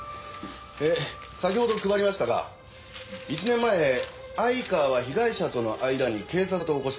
で先ほど配りましたが１年前相川は被害者との間に警察沙汰を起こしてます。